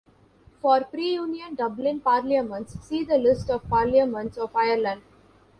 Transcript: For pre-Union Dublin parliaments, see the list of Parliaments of Ireland.